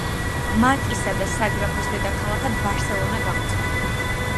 მარკისა და საგრაფოს დედაქალაქად ბარსელონა გამოცხადდა.